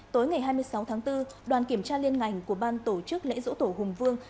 tối ngày hai mươi sáu tháng bốn đoàn kiểm tra liên ngành của ban tổ chức lễ dỗ tổ hùng vương